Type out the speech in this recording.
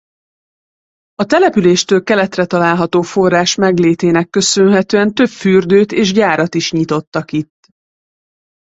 A településtől keletre található forrás meglétének köszönhetően több fürdőt és gyárat is nyitottak itt.